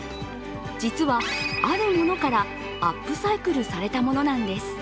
実は、あるものからアップサイクルされたものなんです。